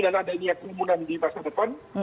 dan adanya kerumunan di masa depan